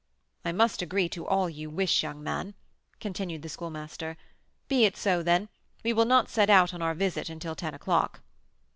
"I must agree to all you wish, young man," continued the Schoolmaster. "Be it so, then; we will not set out on our visit until ten o'clock."